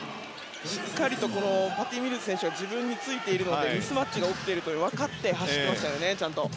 しっかりパティ・ミルズ選手が自分についているのでミスマッチが起きていると分かって走っていましたから。